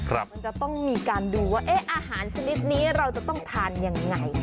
มันจะต้องมีการดูว่าอาหารชนิดนี้เราจะต้องทานยังไง